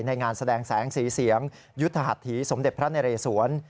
งานแสดงแสงสีเสียงยุทธหัสถีสมเด็จพระนเรศวร